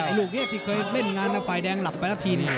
มีไอลูกเนี่ยที่เคยเบ่นงานกับฝ่ายแดงหลับไปละที